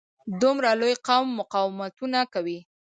دومره لوی قوم مقاومتونه کوي.